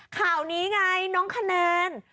ข่าวนี้ไงน้องคะแนน